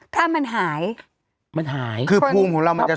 ถ้ามันหายมันหายคือภูมิของเรามันจะ